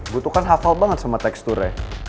gue tuh kan hafal banget sama teksturnya